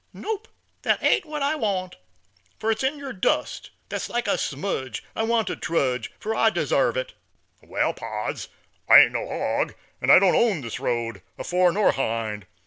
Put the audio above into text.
"Nop, that ain't what I want, Fur it's in yer dust, that's like a smudge, I want to trudge, for I desarve it." "Wal, pards, I ain't no hog, an' I don't Own this road, afore nor 'hind.